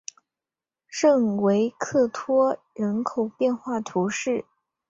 圣维克托人口变化图示